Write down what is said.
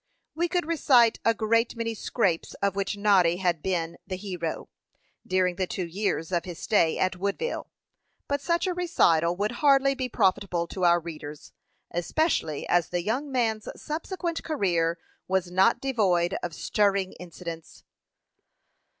We could recite a great many scrapes, of which Noddy had been the hero, during the two years of his stay at Woodville; but such a recital would hardly be profitable to our readers, especially as the young man's subsequent career was not devoid of stirring incidents.